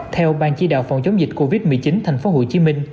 theo ban chí đạo phòng chống dịch covid một mươi chín tp hcm